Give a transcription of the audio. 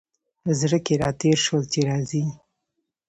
په زړه کي را تېر شول چي راځي !